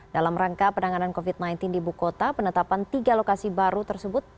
dalam rangka penanganan covid sembilan belas di ibu kota penetapan tiga lokasi baru tersebut